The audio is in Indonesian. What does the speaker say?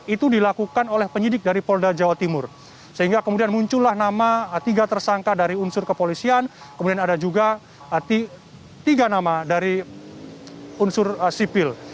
itu dilakukan oleh penyidik dari polda jawa timur sehingga kemudian muncullah nama tiga tersangka dari unsur kepolisian kemudian ada juga tiga nama dari unsur sipil